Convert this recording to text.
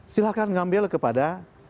silahkan mengambil kepada